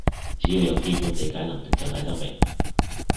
只要有基本理解能力就睇得明